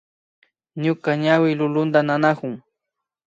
Ñuka ñawi lulunta nanakun